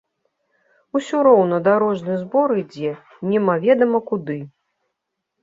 Усё роўна дарожны збор ідзе немаведама куды.